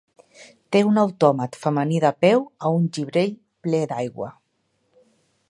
Té un autòmat femení de peu a un gibrell ple d"aigua.